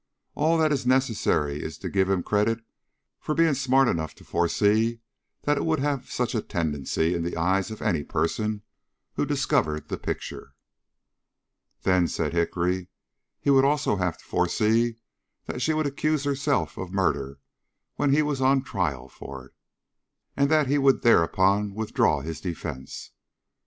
All that is necessary is to give him credit for being smart enough to foresee that it would have such a tendency in the eyes of any person who discovered the picture." "Then," said Hickory, "he would also have to foresee that she would accuse herself of murder when he was on trial for it, and that he would thereupon withdraw his defence.